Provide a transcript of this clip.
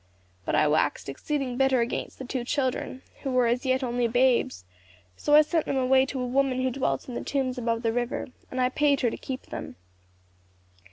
But I waxed exceeding bitter against the two children, who were as yet only babes; so I sent them away to a woman who dwelt in the tombs above the river; and I paid her to keep them.